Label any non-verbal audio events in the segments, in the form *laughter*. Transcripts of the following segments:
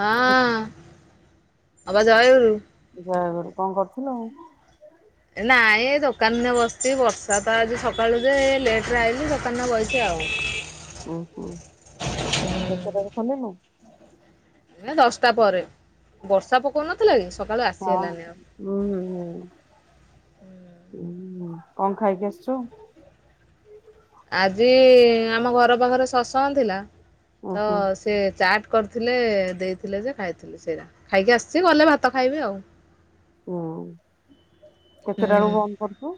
ହଁ, କଣ ଅପା ଜୟଗୁରୁ। ଜୟଗୁରୁ, କ'ଣ କରୁଥିଲ? ନାଇଁ, ଏ ଦୋକାନ ରେ ବସିଛି ବର୍ଷା ତ ଆଜି ସକାଳୁ ଯେ ଲେଟ ରେ ଆଇଲି ଦୋକାନରେ ବହିଛି ଆ ହେଉ। ଉଁହୁଁ, କେତେଟା ରେ ଖୋଲିଲୁ? ଏ ଦଶଟା ପରେ। ବର୍ଷା ପକଉନଥିଲା କି ସକାଳୁ ଆସି ହଁ ହେଲାନି ଆଉ। ହୁଁ ହୁଁ ହୁଁ, କ'ଣ ଖାଇକି ଆସିଛୁ? ଆଜି ଆମ ଘର ପାଖରେ ସତସଙ୍ଗ ଥିଲା ଉଁ ତ ହୁଁ ସେ ଚାଟ କରିଥିଲେ ଦେଇଥିଲେ ଯେ ଖାଇଥିଲି ସେଇରା ଖାଇକି ଆସିଛି ଗଲେ ଭାତ ଖାଇବି ଆଉ। ଓଃ, କେତେଟା ହୁଁ ବେଳକୁ ବନ୍ଦ କରୁଛୁ?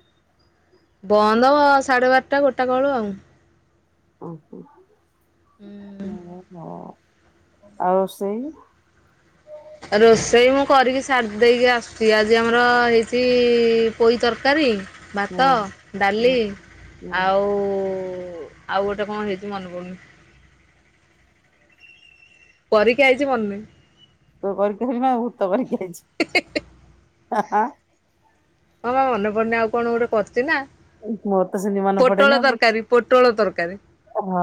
ବନ୍ଦ ସାଢେ ବାରଟା ଗୋଟାକ ବେଳୁ ଆଉ। ଓହୋଃ! ହୁଁ। ଓଃ ହଁ। ଆଉ ରୋଷେଇ? ରୋଷେଇ ମୁଁ କରିକି ସାରି ଦେଇକି ଆସୁଛି ଆଜି ଆମର ହେଇଛି ପୋଇ ତରକାରୀ। ହୁଁ ଭାତ ଡାଲି ହୁଁ ହୁଁ ଆଉ। ଆଉ ଗୋଟେ କଣ ହେଇଛି ମନେ ପଡୁନି? କରିକି ଆଇଚି ମନେ ନାହିଁ। ତୁ କରିକି ଆଇଚୁ ନା ଭୁତ କରିକି ଆଇଚି ହାଁ ହାଁ। ହଁ ମା ମନେ ପଡନି ଆଉ କଣ ଗୋଟେ କରୁଛି ନା। ହୁଁ ମୋରତ ସେମିତି ପୋଟଳ ମନେପଡେନି ଆଉ। ତରକାରୀ ପୋଟଳ ତରକାରୀ ହଁ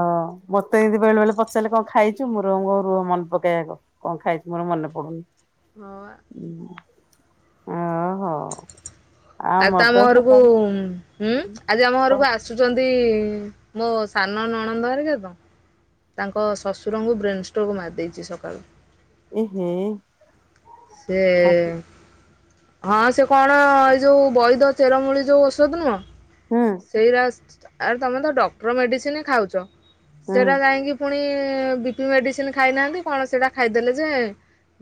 ମତେ ଏମିତି ବେଳେ ବେଳେ ପଚାରିଲେ କଣ ଖାଇଚୁ? ମୁଁ ରଙ୍ଗ ରୁହ ମନ ପକେଇଆଗ କଣ ଖାଇଛି ମୋର ମନେ ପଡୁନି? ହଁ ଵା। ଓ ହୋ। ଆଉ ତମ ଘରକୁ? ହୁଁ ଆଜି ଆମ କଣ ଘରକୁ ଆସୁଛନ୍ତି ମୋ ସାନ ନଣନ୍ଦଆରିକ ତ। ତାଙ୍କ ଶ୍ୱଶୁରଙ୍କୁ ବ୍ରେନ୍ ଷ୍ଟ୍ରକ୍ ମାରିଦେଇଛି ସକାଳୁ। ଏ ହେଁ। ସେ। ହଁ ସେ କଣ ଏଇ ଯୋଉ ବୈଦ ଚେରମୂଳି ଯୋଉ, ଔଷଧ ନୁହଁ। ହୁଁ ସେଇରା ଆରେ ତମେ ତ ଡକ୍ଟର ମେଡିସିନ ଖାଉଛ। ହୁଁ ସେରା ଯାଇକି ପୁଣି ସେ ବିପି ମେଡିସିନ ଖାଇନାହାନ୍ତି କଣ ସେଟା ଖାଇଦଲେ ଯେ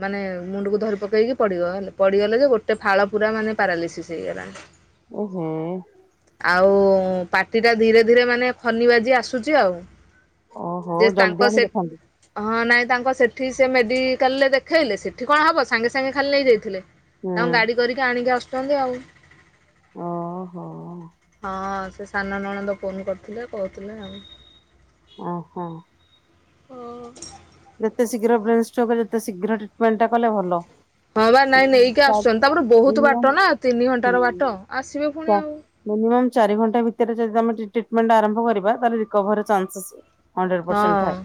ମାନେ ମୁଣ୍ଡ କୁ ଧରି ପକେଇକି ପଡିଗଲେ ପଡିଗଲେ ଯେ ଗୋଟେ ଫାଳ ପୁରା ମାନେ ପାରାଲିସିସ୍ ହେଇଗଲାଣି। ଏହେ ଆଉ ପା ପାଟି ଟା ଧୀରେ ଧୀରେ ମାନେ ଫନି ବାଜି ଆସୁଛି ଆଉ। ଓହୋ ଯେ ତାଙ୍କ ଜଲଦି ଆଣି ସେ ଦେଖାନ୍ତୁ ହଁ ନାଇଁ। ତାଙ୍କ ସେଠି ସେ ମେଡ଼ିକାଲରେ ଦେଖାଇଲେ ସେଇଠି କଣ ହେବ ସାଙ୍ଗେ ସାଙ୍ଗେ ଖାଲି ନେଇଯାଇଥିଲେ। ହୁଁ ତାଙ୍କୁ ଗାଡି କରିକି ଆଣିକି ଆସୁଛନ୍ତି ଆଉ। ଓ ହୋ। ହଁ ସେ ସାନ ନଣନ୍ଦ ଫୋନ୍ କରିଥିଲେ କହୁଥିଲେ ଆଉ। ଓ ହୋ। ହଁ। ଯେତେ ଶୀଘ୍ର ବ୍ରେନ ଷ୍ଟ୍ରକ୍ ଯେତେ ଶୀଘ୍ର ଟ୍ରିଟମେଣ୍ଟ ଟା କଲେ ଭଲ। ହଁ ବା ନାଇଁ ନେଇକି ଆସୁଛନ୍ତି। ତାପରେ ବହୁତ ବାଟ ନା ତିନି ଘଣ୍ଟାର ବାଟ ଆସିବେ ପୁଣି ଆଉ। ମିନିମମ୍ ଚାରି ଘଣ୍ଟା ଭିତରେ ଯଦି ଆମେ ଟ୍ରିଟମେଣ୍ଟ ଆରମ୍ଭ କରିବା ତାହେଲେ ରିକୋଭରୀ ଚଞ୍ଚେସ୍। ହଣ୍ଡ୍ରେଡ଼୍ ପରସେଣ୍ଟ ଥାଏ। ହଁ।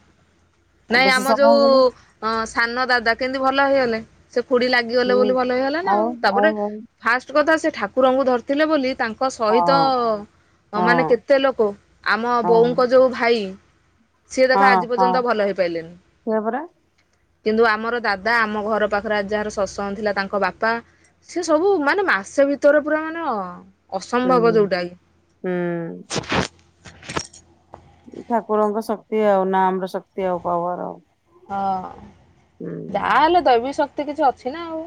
ଆଉ ନାଇଁ ବେଶୀ ଆମ ସମୟ ହେଇଗଲେ ଯୋଉ ସାନ ଦାଦା କେମତି ଭଲ ହେଇଗଲେ। ସେ ଖୁଡି ଲାଗିଗଲେ ହୁଁ ବୋଲି ଭଲ ହେଇଗଲା ନା ଆଉ। ତାପରେ ଫାଷ୍ଟ କଥା ସେ ଠାକୁରଙ୍କୁ ଧରିଥିଲେ ବୋଲି ତାଙ୍କ ହଁ ସହିତ ମାନେ ହଁ କେତେ ଲୋକ ଆମ ହଁ ବୋଉଙ୍କ ଯୋଉ ଭାଇ? ସିଏ ଦେଖ ହଁ ଆଜି ହଁ ପର୍ଯ୍ୟନ୍ତ ଭଲ ସେଇଆ ପରା ହେଇପାରିଲେନି। କିନ୍ତୁ ଆମର ଦାଦା ଆମ ଘର ପାଖରେ ଯାହାର ଶତଷଙ୍ଗ ଥିଲା ତାଙ୍କ ବାପା ସେ ସବୁ ମାନେ ମାସେ ଭିତରେ ପୁରା ମାନେ ହୁଁ ଅସମ୍ଭବ ଯୋଉଟା। ହୁଁ। ଠାକୁରଙ୍କ ଶକ୍ତି ଆଉ ନା ଆମର ଶକ୍ତି ଆଉ ପାୱାର ଆଉ। ହଁ ହୁଁ। ଯାହା ହେଲେ ଦୈବିକ ଶକ୍ତି କିଛି ଅଛି। ନା ଆଉ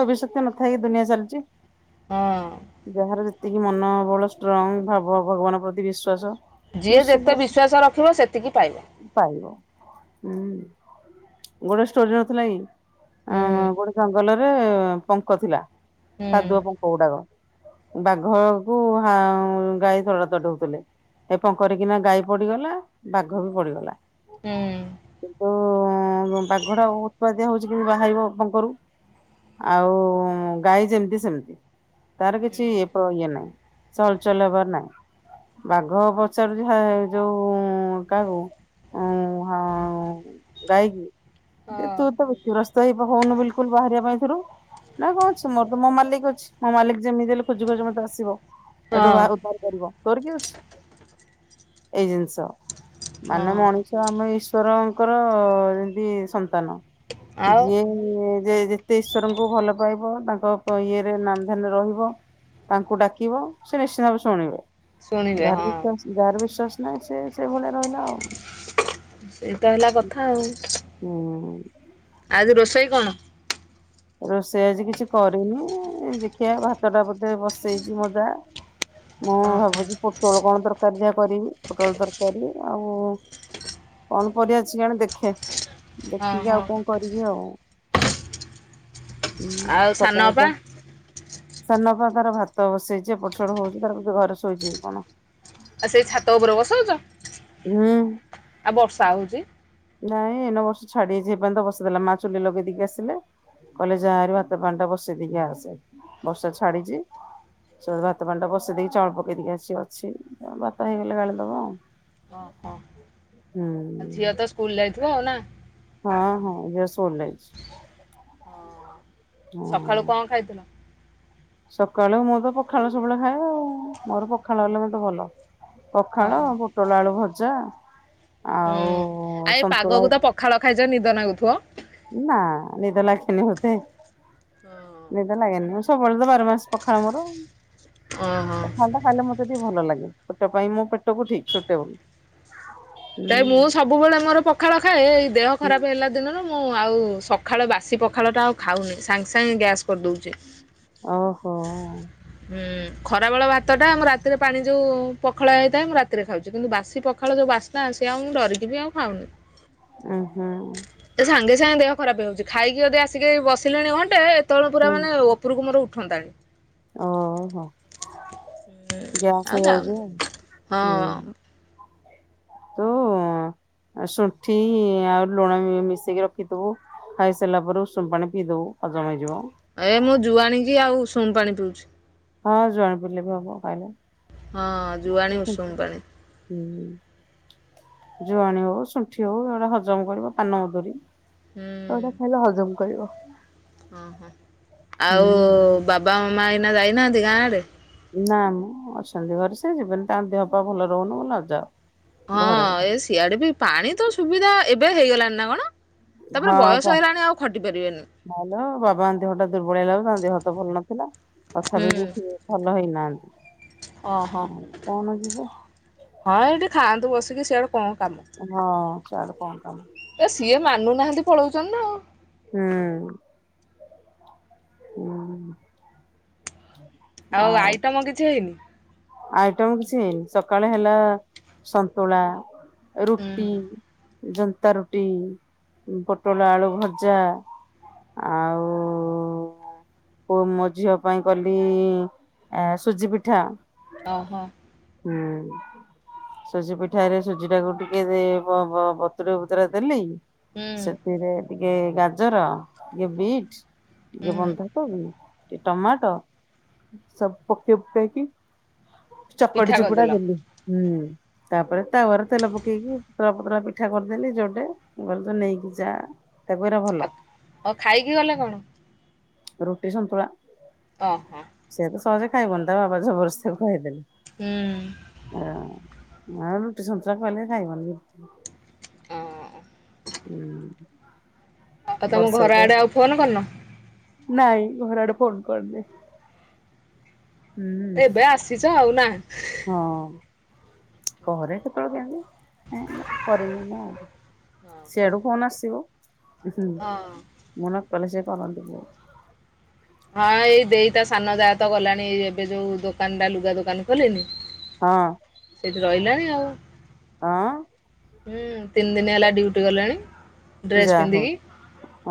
ଅଭିିଶ୍ୟକ୍ତି ନ ଥାଇ ଦୁନିଆ ଚାଲିଚି। ହଁ। ଯାହାର ଯେତିକି ମନ ବଳ ଷ୍ଟ୍ରଙ୍ଗ ଭାବ ଭଗବାନ ପ୍ରତି ବିଶ୍ଵାସ। ଯିଏ ନିଶ୍ଚିନ୍ତ ଯେତେ ଭାବରେ ବିଶ୍ୱାସ ରଖିବ ସେତିକି ପାଇବ। ପାଇବ ହୁଁ ଗୋଟେ ଷ୍ଟୋରି ନଥିଲା କି? ଆ ହୁଁ ଗୋଟେ ଜଙ୍ଗଲରେ ପଙ୍କ ଥିଲା। ହୁଁ କାଦୁଅ ପଙ୍କ ଗୁଡାକ। ବାଘ କୁ ହା ଗାଈ ତଡା ତଡି ହେଉଥିଲେ। ଏ ପଙ୍କରେକିନା ଗାଈ ପଡିଗଲା। ବାଘ ବି ପଡିଗଲା। ହୁଁ। ଉ ବାଘଟା ଉତ୍ପାତିଆ ହଉଛି। କେମତି ବାହାରିବ ପଙ୍କରୁ? ଆଉ ଗାଈ, ଯେମିତି ସେମିତି ତାର କିଛି ଇ ଇଏ ନାହିଁ ସେ ଚଲଚଲ ହେବାର ନାଇଁ। ବାଘ ପଚାରୁଚି ହେଇ ଯୋଉ କାହାକୁ? ଗାଈ କୁ, ହଁ ତୁ ତ ବ୍ୟତିବ୍ରସ୍ତ ହେଇ ପ ହୋଉନୁ ବିଲକୁଲ ବାହାରିବା ପାଇଁ ଏଥିରୁ ନା କଣ ଅଛି, ମୋର ତ ମୋ ମାଲିକ ଅଛି। ମୋ ମାଲିକ ଯେମିତି ହେଲେ ଖୋଜି ଖୋଜି ମତେ ଆସିବ। ଏଠୁ ହଁ ବାହାରକୁ ଉଦ୍ଧାର କରିବ ତୋର କିଏ ଅଛି? ଏଇ ଜିନିଷ ମାନେ, ହଁ ମଣିଷ ଆମ ଈଶ୍ଵରଙ୍କର ଯେମିତି ସନ୍ତାନ। ଆଉ ଯିଏ ଯେ ଯେତେ ଈଶ୍ୱରଙ୍କୁ ଭଲ ପାଇବ, ତାଙ୍କ ପ ଇଏରେ ନାମଧାନ ରେ ରହିବ ତାଙ୍କୁ ଡାକିବ ସେ ନିଶ୍ଚିନ୍ତ ଭାବେ ଶୁଣିବେ। ଶୁଣିବେ ଯାହାର ହଁ ବିଶ୍ବାସ ଯାହାର ବିଶ୍ଵାସ ନାହିଁ, ସେ ସେଇ ଭଳିଆ ରହିଲା ଆଉ। ସେଇ ତ ହେଲା କଥା ଆଉ ହୁଁ ଆଜି ରୋଷେଇ କଣ? ରୋଷେଇ ଆଜି କିଛି କରିନି ଏ ଦେଖିବା ଭାତ ଟା ବୋଧେ ବସେଇଛି ମଜା ମୁଁ ଓହୋ ଭାବୁଛି ପୋଟଳ କଣ ତରକାରି ଯାହା କରିବି ପୋଟଳ ତର୍କାରୀ ଆଉ କଣ ପରବା ଅଛି କିଆଣୀ ଦେଖେ। ହଁ ଦେଖିକି ହଁ ଆଉ କଣ କରିବି ଆଉ। ହୁଁ ଆଉ ସାନ ଅପା ସକାଳେ ସାନ ଅପା ତାର ଭାତ ବସେଇଛି। ଏପଟ ସେପଟ ହଉଛି ତାର ବୋଧେ ଘରେ ଶୋଇଚି କି କଣ? ଆ ସେଇ ଛାତ ଉପରେ ବସଉଛ? ହୁଁ। ଆ ବର୍ଷା ହଉଛି ନାଇଁ ଏନେ ବର୍ଶା ଛାଡି ଯାଇଛି ହେଇଥିପାଇଁ ତ ବସେଇଦେଲା ମା ଚୁଲି ଲଗେଇ ଦେଇକି ଆସିଲେ କହିଁଲେ ଯା ହାରି ଭାତ ପାଣି ଟା ବସେଇ ଦେଇକି ଆସେ ବର୍ଷା ଛାଡିଛି। ସେପଟେ ଭାତ ପାଣି ଟା ବସେଇ ଦେଇକି ଚାଉଳ ପକେଇ ଦେଇକି ଆସିକି ଅଛି ଭାତ ହେଇଗଲେ ଗାଳି ଦବ ଆଉ। ଓହୋ। ହୁଁ ଆଉ ଝିଅ ତ ସ୍କୁଲ ଯାଇଥିବ ଆଉ ନା? ହଁ ହଁ ଝିଅ ସ୍କୁଲ ଯାଇଛି। ସଖାଳୁ କଣ ଖାଇଥିଲ? ସକାଳୁ ମୁଁ ତ ପଖାଳ ସବୁବେଳେ ଖାଏ ଆଉ ମୋର ପଖାଳ ହେଲେ ମତେ ଭଲ। ହଁ ପଖାଳ ପୋଟଳ ଆଳୁ ଭଜା ହୁଁ ଆଉ ଆ ଏ ସନ୍ତୁଳା ପାଗକୁ ତ ପଖାଳ ଖାଇଛ ନିଦ ନାଗୁଥିବ। ନା ନିଦ ଲାଗେନି ମତେ। ହଁ ନିଦ ଲାଗେନି ମୁ ସବୁବେଳେ ବାର ମାସି ପଖାଳ ମୋର ଓହୋ ପଖାଳ ଟା ଖାଇଲେ ମତେ ଟିକେ ଭଲ ଲାଗେ। ପେଟ ପାଇଁ ମୁଁ ପେଟକୁ ଠିକ ସୁଇଟେବୁଲ୍। ନାଇ ମୁଁ ସବୁବେଳେ ମୋର ପଖାଳ ଖାଏ ଏଇ ଦେହ ଖରାପ ହେଲା ଦିନରୁ ମୁଁ ଆଉ ସକାଳ ବାସି ପଖାଳ ଟା ଆଉ ଖାଉନି ସାଙ୍ଗେ ସାଙ୍ଗେ ଗ୍ୟାସ୍ କରିଦେଉଚି। ଓହୋ ହୁଁ ଖରାବେଳ ଭାତଟା ଆମ ରାତିରେ ପାଣି ଯେଉଁ ପଖଳା ହେଇଥାଏ ମୁଁ ରାତିରେ ଖାଉଛି କିନ୍ତୁ ବାସି ପଖାଳ ଯେଉଁ ବାସି ନା ସେ ଆଉ ମୁଁ ଡରିକିବି ଆଉ ଖାଉନି। ଉ ହୁଁ। ଏ ସାଙ୍ଗେ ସାଙ୍ଗେ ଦେହ ଖରାପ ହେଉଛି। ଖାଇକି ଯଦି ଆସିକି ଏଇ ବସିଲିଣି ଘଣ୍ଟେ ଏତେବେଳେ ପୁରା ମାନେ ଉପକୁ ମୋର ଉଠ ଠଣ୍ଡାରେ ଓ ହୋ। ଗ୍ୟାସ ଆଉ ହେଇଯାଉଛି ଯାଉନି। ହଁ ହୁଁ। ତ ଶୁଣ୍ଠି ଆଉ ଲୁଣ ମିଶେଇକି ରଖିଥିବୁ ଖାଇସାରିଲା ପରେ ଉଷୁମ୍ ପାଣିରେ ପୀ ଦୋବୁ ହଜମ ହୋଇଯିବ। ଜୁଆଣିକି ଆଉ ଉଷୁମ୍ ପାଣି ପିଉଛି। ହଁ ଜୁଆଣି ପିଇଲେ ବି ହବ ଖାଇଲେ। ହଁ ଜୁଆଣି ଉଷୁମ ପାଣି। ହୁଁ ଜୁଆଣି ହଉ ଶୁଣ୍ଠି ହଉ ଏଗୁଡ଼ା ହଜମ କରିବ ପାନ ମଧୁରି। ଅଦା ଖାଇଲେ ହଜମ କରିବ ଓହୋ ଆଉ ହୁଁ ବାବା ମାମା ଏଇନା ଯାଇନାହାନ୍ତି ଗାଁ ଆଡେ ନା ମୁ ଅଛନ୍ତି ଘରେ ସେ ଯିବନି ତାଙ୍କ ଦେହ ପା ଭଲ ରହୁନି ମୁ ନଜାଅ ହଁ ଏ ସିଆଡେ ବି ପାଣି ତ ସୁବିଧା ଏବେ ହେଇଗଲାଣି ନା କଣ? ତାପରେ ହଁ ପା ବୟସ ହେଲାଣି ଆଉ ଖଟିିପା ଭଲ ବାବା ଙ୍କ ଦେହ ଟା ଦୁର୍ବଳ ହେଲା ତାଙ୍କ ଦେହ ତ ଭଲ ନଥିଲା ତଥାପି ହୁଁ। ବି ସିଏ ଭଲ ହେଇନାହାନ୍ତି। ଓହୋ ଆଉ କଣ ଯିବ ହଁ ଏଇଠି ଖାଆନ୍ତୁ ବସିକି ସିଆଡେ କଣ କାମ ହଁ ଚାଲୁ କ ପାଇ ଏ ସିଏ ମାନୁନାହାନ୍ତି ପଳଉଚନି ନା ଆଉ ହୁଁ ଉ ଆଉ ଆଇଟମ କିଛି ହେଇନି ଆଇଟମ କିଛି ହେଇନି ସକାଳେ ହେଲା ସନ୍ତୁଳା ରୁଟି ହୁଁ ଜନ୍ତା ରୁଟି, ଉ ପୋଟଳ ଆଳୁ ଭଜା ଆଉ ପୁଅ ମୋ ଝିଅ ପାଇଁ କଲି ଆ ସୁଜି ପିଠା ଓହୋ ହୁଁ ସୁଜି ପିଠାରେ ସୁଜି ଟାକୁ ଟିକେ ଦେ ବବତୁୁର ବତୁରା ଦେଲି ହୁଁ ସେଥିରେ ଟିକେ ଗାଜର ଟିକେ ବିଟ୍ ଟିକେ ହୁଁ ବନ୍ଧା କୋବି ଟିକେ ଟମାଟ ସବୁ ପକେଇ ପୁକାକି ଚକଟି ପିଠା ଚୁକୁଟା କରିଦେଲ ଦେଲି ହୁଁ ତାପରେ ତାୱରେ ତେଲ ପକେଇକି ପତଳା ପତଳା ପିଠା କରିଦେଲି ଯୋଡ଼େ ଗହିଲି ତୁ ନେଇକି ଯା ତାକୁ ଏରା ଭଲ ଆ ଆଉ ଖାଇକି ଗଲେ କଣ? ରୁଟି ସନ୍ତୁଳା ଓହୋ ସେ ତ ସହଜେ ଖାଇବନି ତ ବାବା ଜବରସ୍ତିକୁ ଖୁଇଦେଲେ ହୁଁ ଆ ରୁଟିସନ୍ତୁଳା ଖୁଆଇଲେ ଖାଇବନି ଓ ହୁଁ ଅପା ତମ ବର୍ଷକ ଘର ଆଡେ ଆଉ ଫୋନ କରିନ? ନାଇଁ ଘର ଆଡେ ଫୋନ କରିନି ହୁଁ ଏବେ ଆସିଛ ଆଉ ନା ହଁ କରେ କେତେବେଳେ କେମୀନ୍ତି ଏଇନା କରିନି ମୁଁ ସିଆଡୁ ଫୋନ ଆସିବ ହୁ ହଁ। ମୁଁ ନ କଲେ ସେ କରନ୍ତି ହଁ ଏଇ ଦେଇତା ସାନ ଯା ତ ଗଲାଣି ଏ ଏବେ ଯୋଉ ଦୋକାନଟା ଲୁଗା ଦୋକାନ ଖୋଲିନି ହଁ ରହିଲା ଆଉ ଅ ହୁଁ ତିନି ଦିନ ହେଲା ଡ୍ୟୁଟି ଗଲେଣି ଯାହୋଉ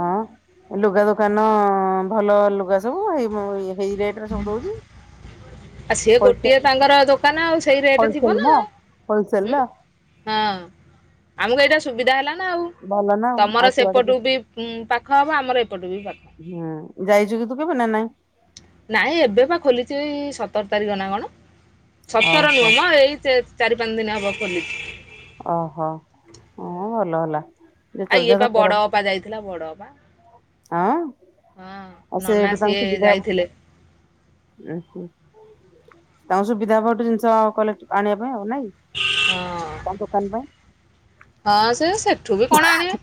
ହଁ ଲୁଗା ଦୋକାନ ନ ଭଲ ଲୁଗା ସବୁ ହେଇମ ହେଇ ରେଟରେ ସବୁ ଦଉଛି ଏ ସେ ଗୋଟିଏ ତାଙ୍କର ଦୋକାନ ଆଉ ସେଇ ରେଟ ଥିବ ନା ଉ ହୋଲସେଲ ହଁ ନା ଆମକୁ ଏଇଟା ସୁବିଧା ହେଲା ନାଁ ଆଉ ଭଲ ନା ଆଉ ତମର ଏତେ ବାଟ ଯେ ସେପଟୁ ବି ପାଖ ହବ ଆମର ଏପଟୁ ବି ପାଖ ହବ ହୁଁ ଯାଇଛୁ କି ତୁ କେବେ ନା ନାଇଁ? ନାଇଁ ଏବେ ବା ଖୋଲିଛି ଏଇ ସତର ତାରିଖ ନା କଣ? ସତର ଓହୋ ନୁହଁ ମ ଏଇ ଚାରି ପାଞ୍ଚ ଦିନ ହବ ଖୋଲିଛି। ଓହୋ ଓ ଭଲ ହେଲା। ଯେତେବେଳେ ଇଏ ଯାହା ପା ଦରକାର ବଡଅପା ଯାଇଥିଲା ବଡ ଅପା। ହଁ ହଁ ଆଉ ସେ ନନା ଏଇଠୁ ତାଙ୍କୁ ସିଏ ସୁବିଧା ହବ ଯାଇଥିଲେ ଉହୁଁ। ତାଙ୍କୁ ସୁବିଧାହେବ ହେଠୋ ଜିନିଷ କଲେକ୍ଟ୍- ଆଣିବା ପାଇଁ ଆଉ ନାଇଁ। ହଁ କଣ ପାଇଁ? ହଁ ସେ ସେଠୁ ବି କଣ ଆଣିବେ?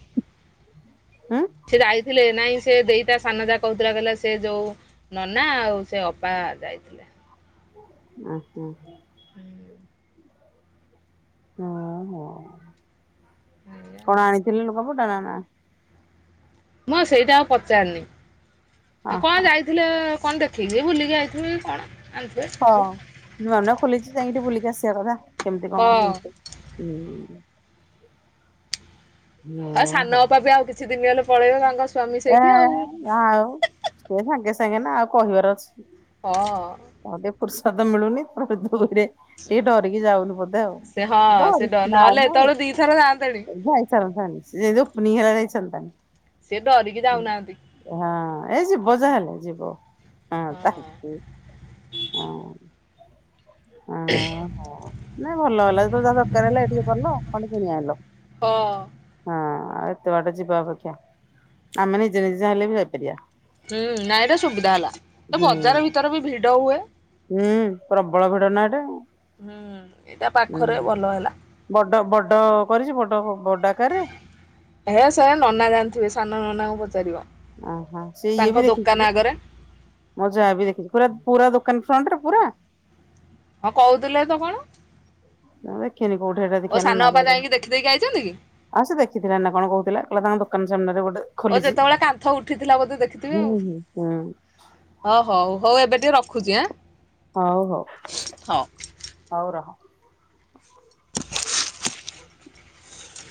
ହୁଁ। ସେ ଯାଇଥିଲେ ନାଇଁ ସେ ଦେଇତା ସାନ ଯା କହୁଥିଲା କହିଲା ଯୋଉ ନନା ଆଉ ସେ ଅପା ଆ ଯାଇଥିଲେ। ଉହୁଁ। ହୁଁ। ହଁ ହ ଏଇଆ ଆଉ କଣ ଆଣିଥିଲୁ ଲୁଗାପଟା ନା ମୁଁ ସେଇଟା ଆଉ ପଚାରନି ଅ କଣ ହ ଯାଇଥିଲେ କଣ ଦେଖେଇକି ବୁଲିକି ଆଇଥିବେ କଣ ଆଣିଥିବେ ହଁ ନୂଆ ନୂଆ ଖୋଲିଛି ଯାଇକି ଟି ବୁଲିକି ଆସିବା କଥା। କେମିତି କଣ ହଁ। *unintelligible* ହୁଁ ହଁ ଓହୋ ସାନ ଅପାା ବି ଆଉ କିଛି ଦିନି ଗଲେ ପଳେଇବେ ତାଙ୍କ ସ୍ଵାମୀ ଏ ସେଇଠି ଆଉ ନା ଆଉ ସିଏ ସାଙ୍ଗେ ସାଙ୍ଗେ ନା ଆଉ କହିବାର ଅଛି। ହଁ। ପ୍ରସାଦ ମିଳୁନି *unintelligible* ଦୁଇରେ ଟିକେ ଡରିକି ଯାଉନି ବୋଧେ ଆଉ ସେ ହଁ ସେ ଡ ଡରିକି ନା ନହେଲେ ଆଉ ସେ ଏତେବେଳୁ ଦିଥର ଯାଆନ୍ତେଣି। ଯଉ *unintelligible* ଯାଇସରନ୍ତନି। ସେ ଡ ଉମ୍ ହଁ ଏଇ ଯିବ ଯାହାେଲେ ଯିବ ହଁ ତାକୁ ହଁ। ଅଁ ଓହୋ ନାଇଁ ଭଲ ହେଲା ଯାହା ଦରକାର ହେଲା ଏ ଟିକେ କଲ କଣ କିଣିଆଣିଲ। ହଁ। ଆଉ ଏତେ ବାଟ ଯିବା ଅପେକ୍ଷା ଆମେ ନିଜେ ନିଜେ ହେଲେ ବି ଯାଇପାରିବା। ହୁଁ ନାଇଁ ଏଟା ସୁବିଧା ହେଲା ଏ ହୁଁ ବଜାର ଭିତରେ ବି ଭିଡ ହୁଏ। ହୁଁ ପ୍ରବଳ ଭିଡ଼ ନା ଏଟା ଆଉ। ହୁଁ ଏଇଟା ପାଖରେ ଭଲ ହେଲା। ବଡ ବଡ କରିଛି ବଡ ବଡାକାରରେ। ହେ ସେରା ନନା ଜାଣିଥିବେ ସାନ ନନାଙ୍କୁ ପଚାରିବ। ଓହୋ ସେ ଇଏ ତାଙ୍କ ବି ଦୋକାନ ଦେଖିଛି ଆଗରେ ମୋ ଜା ବି ଦେଖିଛି ପୁରା ପୁରା ଦୋ କନଫ୍ରଣ୍ଟରେ ପୁରା? ହଁ କହୁଥିଲା ତ କଣ? ମୁଁ ଦେଖିନି କୋଉଠି ଏଟା ଓ ଦେଖେନ ସାନ ନା ଅପା କବେ ଯାଇକି ଦେଖିଦେଇକି ଆଇଛନ୍ତି କି? ଆଉ ସେ ଦେଖିଥିଲା ନା କଣ କହୁଥିଲା କହିଲ ତାଙ୍କ ଦୋକାନ ସାମ୍ନାରେ ଗୋଟେ ଓ ଖୋଲିଛି ଯେତେବେଳେ କାନ୍ଥ ଉଠିଥିଲା ବୋଧେ ଦେଖିଥିବେ ହୁଁ ଆଉ ହୁଁ ହୁଁ ହ ହଉ ହଉ ଏବେ ଟେ ରଖୁଛି ଆଁ। ହଉ ହଉ ହଉ। ହଉ ରହ।